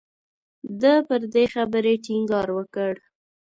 ده پر دې خبرې ټینګار وکړ.